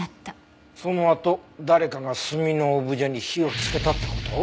そのあと誰かが炭のオブジェに火をつけたって事？